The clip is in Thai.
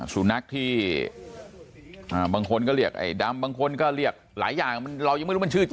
สุนัขที่บางคนก็เรียกไอ้ดำบางคนก็เรียกหลายอย่างเรายังไม่รู้มันชื่อจริง